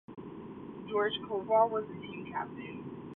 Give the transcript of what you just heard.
George Koval was the team captain.